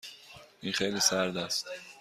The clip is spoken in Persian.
این خیلی سرد است.